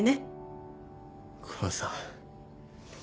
母さん。